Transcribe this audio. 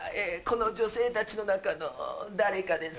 この女性たちの中の誰かです。